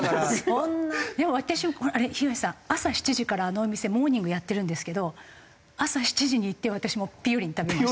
でも私も東さん朝７時からあのお店モーニングやってるんですけど朝７時に行って私もぴよりん食べました。